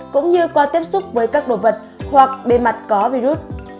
cũng như qua tiếp xúc với các đồ vật hoặc bề mặt có virus